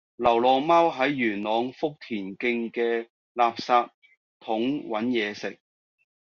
流浪貓喺元朗福田徑嘅垃圾桶搵野食